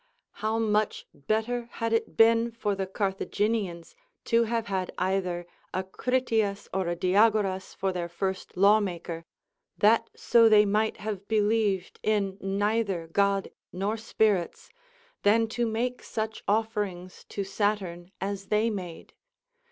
How much better had it been for the Carthaginians to have had either a Critias or a Diagoras for their first lawmaker, that so they might have believed in neither God nor spirits, than to make such ofi"erings to Saturn as they made?